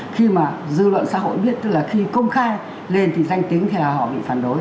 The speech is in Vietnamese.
khi mà dư luận xã hội biết tức là khi công khai lên thì danh tính thì họ bị phản đối